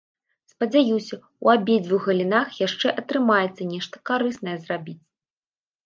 Спадзяюся, у абедзвюх галінах яшчэ атрымаецца нешта карыснае зрабіць.